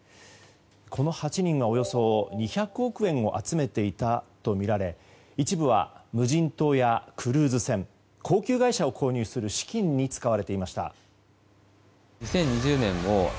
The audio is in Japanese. この８人はおよそ２００億円を集めていたとみられ一部は、無人島やクルーズ船高級外車を購入する資金に使われていました。